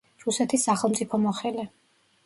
რუსეთის სახელმწიფო მოხელე.